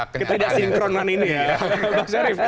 ketidaksinkronan ini ya